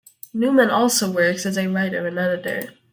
Newman also works as a writer and editor.